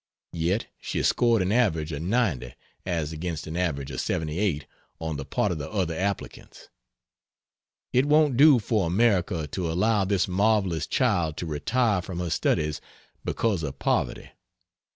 Yet she scored an average of 90 as against an average of 78 on the part of the other applicants. It won't do for America to allow this marvelous child to retire from her studies because of poverty.